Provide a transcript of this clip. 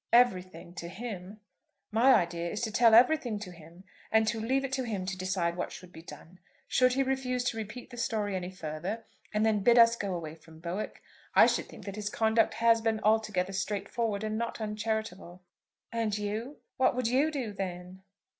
"Everything, to him. My idea is to tell everything to him, and to leave it to him to decide what should be done. Should he refuse to repeat the story any further, and then bid us go away from Bowick, I should think that his conduct had been altogether straightforward and not uncharitable." "And you, what would you do then?"